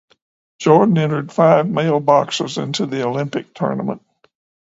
Jordan entered five male boxers into the Olympic tournament.